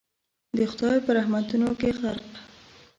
د خدای په رحمتونو کي غرق